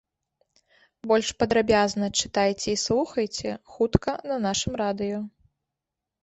Больш падрабязна чытайце і слухайце хутка на нашым радыё.